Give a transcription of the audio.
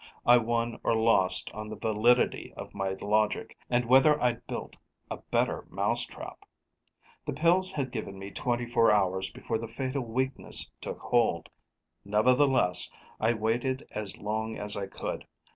I won or lost on the validity of my logic and whether I'd built a better mousetrap. The pills had given me 24 hours before the fatal weakness took hold; nevertheless, I waited as long as I could.